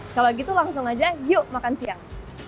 kalau gitu langsung aja yuk makan siang